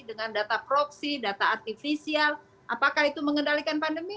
dengan data proxy data artificial apakah itu mengendalikan pandemi